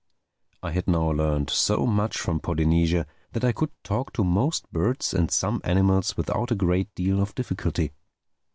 I had now learned so much from Polynesia that I could talk to most birds and some animals without a great deal of difficulty.